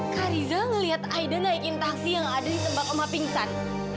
kak riza ngeliat haida naikin taksi yang ada di tembak oma pingsan